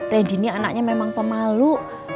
redi ini anaknya memang pemalu